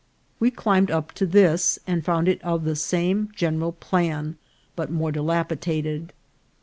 We climbed up to this, and found it of the same general plan, but more dilapidated.